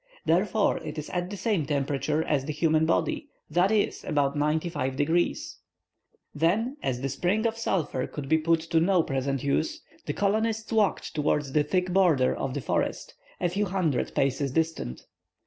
Therefore, it is at the same temperature as the human body, that is, about 95°." Then as the spring of sulphur could be put to no present use, the colonists walked towards the thick border of the forest, a few hundred paces distant.